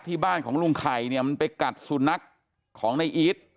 ที่บ้านของลุงไข่มันไปกัดสูนักของในอีศ